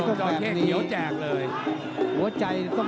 โอ้โหแดงโชว์แล้วโชว์อีกเลยเดี๋ยวดูผู้ดอลก่อน